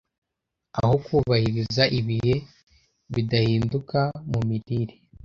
Aho kubahiriza ibihe bidahinduka mu mirire